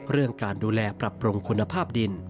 เรื่องการดูแลปรับปรุงคุณภาพดิน